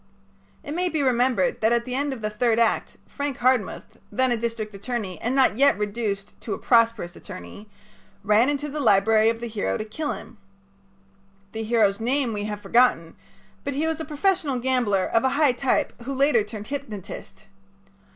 It may be remembered that at the end of the third act Frank Hardmuth, then a district attorney and not yet reduced to a prosperous attorney, ran into the library of the hero to kill him. The hero's name we have forgotten, but he was a professional gambler, of a high type, who later turned hypnotist.